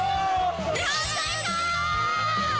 日本最高！